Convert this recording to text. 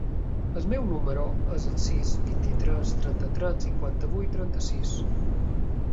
El meu número es el sis, vint-i-tres, trenta-tres, cinquanta-vuit, trenta-sis.